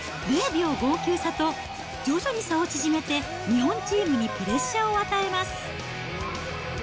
０秒５９差と、徐々に差を縮めて、日本チームにプレッシャーを与えます。